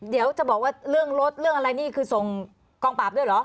เดี๋ยวจะบอกว่าเรื่องรถเรื่องอะไรนี่คือส่งกองปราบด้วยเหรอ